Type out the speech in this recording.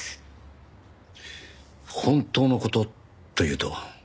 本当の事というと？